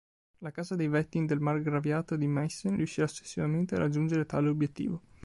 La casa dei Wettin del margraviato di Meissen riuscirà successivamente a raggiungere tale obbiettivo.